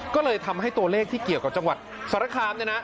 ก็เลยทำให้ตัวเลขที่เกี่ยวกับจังหวัดสารคามเนี่ยนะ